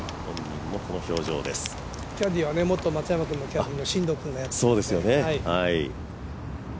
キャディーは元松山のキャディーの進藤君がやっています。